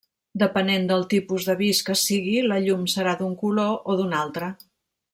Depenent del tipus d'avís que sigui, la llum serà d'un color o d'un altre.